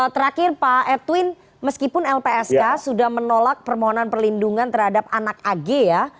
terakhir pak edwin meskipun lpsk sudah menolak permohonan perlindungan terhadap anak ag ya